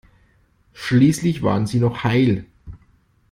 Schließlich waren sie noch heil.